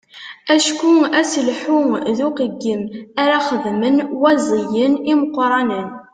Acku aselḥu d uqeyyem ara xedmen waẓiyen imeqqranen.